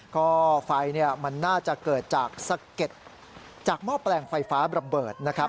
ก็ไฟมันน่าจะเกิดจากสะเก็ดจากหม้อแปลงไฟฟ้าระเบิดนะครับ